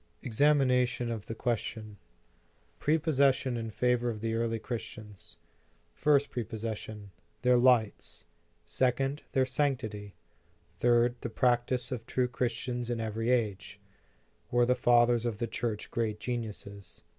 EXAMINATION OF THE QUESTION PREPOSSESSIONS IK FAVOR OF THE EAKLY CHRISTIANS FlRST PREPOSSESSION, THEIR LIGHTS SECOND, THEIR SANCTITY THIRD, THE PRACTICE OF TRUE CHRISTIANS IN EVERY AGE WERE THE FATHERS OF THE CHURCH GREAT GENIUSES?